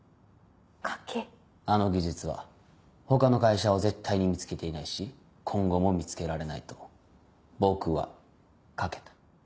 あの技術は他の会社は絶対に見つけていないし今後も見つけられないと僕は賭けた。